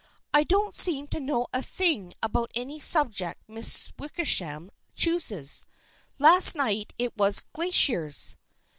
" I don't seem to know a thing about any subject Miss Wickersham chooses. Last night it was glaciers."